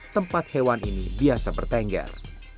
tempat hewan ini biasa bertengger